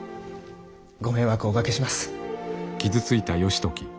ご迷惑をおかけします。